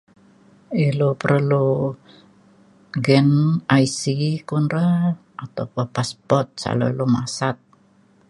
ilu perlu gin IC kun re atau pa passport salau lu masat.